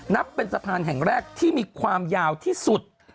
นับเป็นสะพานแห่งแรกที่มีความยาวที่สุด